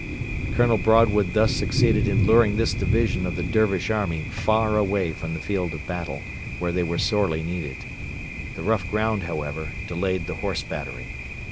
Colonel Broadwood thus succeeded in luring this division of the Dervish army far away from the field of battle, where they were sorely needed. The rough ground, however, delayed the Horse battery.